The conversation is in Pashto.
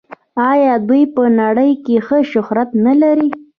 آیا دوی په نړۍ کې ښه شهرت نلري؟